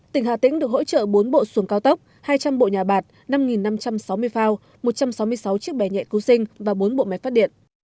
tỉnh hà tĩnh được hỗ trợ bốn bộ xuồng cao tốc hai trăm linh bộ nhà bạc năm năm trăm sáu mươi phao một trăm sáu mươi sáu chiếc bẻ nhẹ cứu sinh và bốn bộ máy phát điện